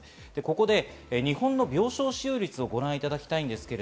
ここで日本の病床使用率をご覧いただきます。